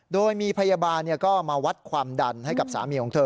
โดยมีพยาบาลก็มาวัดความดันให้กับสามีของเธอ